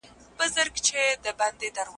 سياسي قدرت د چا د ګټو لپاره کارول کېږي؟